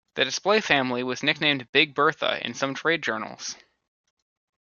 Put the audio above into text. The display family was nicknamed "Big Bertha" in some trade journals.